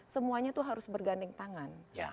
semuanya itu harus berganding tangan